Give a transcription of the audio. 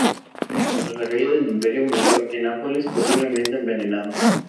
Tras la caída del imperio, murió en Nápoles, posiblemente envenenado.